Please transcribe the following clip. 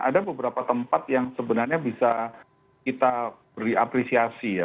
ada beberapa tempat yang sebenarnya bisa kita beri apresiasi ya